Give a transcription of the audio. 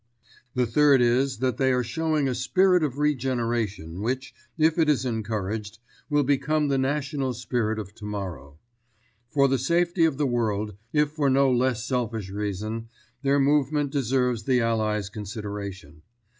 The third is that they are showing a spirit of regeneration which, if it is encouraged, will become the national spirit of tomorrow. For the safety of the world, if for no less selfish reason, their movement deserves the Allies' consideration.